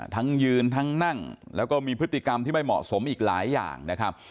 ทั้งยืนทั้งนั่งแล้วก็มีพฤติกรรมที่ไม่เหมาะสมอีกหลายอย่างนะครับ